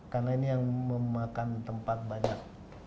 karena ini yang memakan tempat banyak